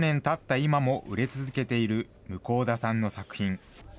今も売れ続けている向田さんの作品。